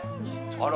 あら。